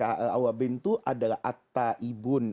al awwabin itu adalah atta ibn